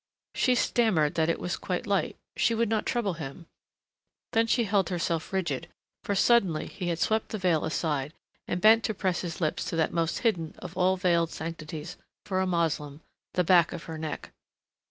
She stammered that it was quite light she would not trouble him Then she held herself rigid, for suddenly he had swept the veil aside and bent to press his lips to that most hidden of all veiled sanctities, for a Moslem, the back of her neck.